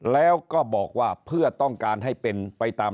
แล้วก็บอกว่าเพื่อต้องการให้เป็นไปตาม